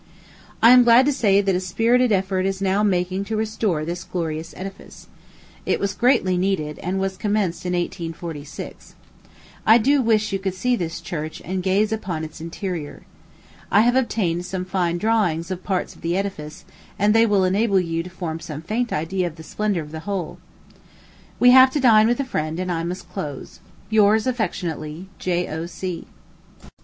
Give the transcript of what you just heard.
I am glad to say that a spirited effort is now making to restore this gorgeous edifice. It was greatly needed, and was commenced in 1846. I do wish you could see this church and gaze upon its interior. I have obtained some fine drawings of parts of the edifice, and they will enable you to form some faint idea of the splendor of the whole. We have to dine with a friend, and I must close. Yours affectionately, J.O.C.